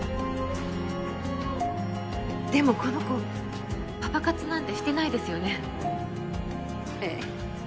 でもこの子パパ活なんてしてないでええ。